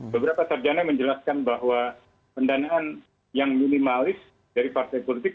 beberapa sarjana menjelaskan bahwa pendanaan yang minimalis dari partai politik